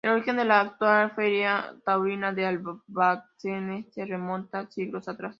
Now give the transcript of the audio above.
El origen de la actual Feria Taurina de Albacete se remonta siglos atrás.